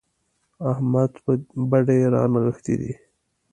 احمد بډې رانغښتې دي.